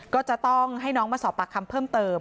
ก็จะต้องให้น้องมาสอบปากคำเพิ่มเติม